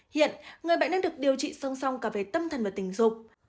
hiện người bệnh đang được điều trị song song cả về tâm thần và tình dục